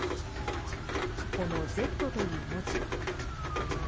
この「Ｚ」という文字。